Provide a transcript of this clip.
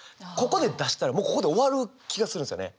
ここで出したらもうここで終わる気がするんですよね。